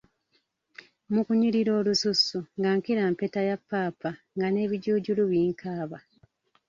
Mu kunyirira olususu nga nkira mpeta ya paapa nga n'ebijuujulu binkaaba.